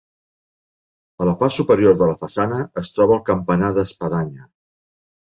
A la part superior de la façana es troba el campanar d'espadanya.